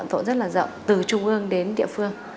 tội phạm tội rất là rộng từ trung ương đến địa phương